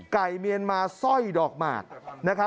ไก่เมียนมาร์สร้อยดอกมาก